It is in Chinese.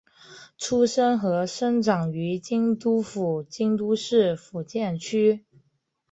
出身和生长于京都府京都市伏见区。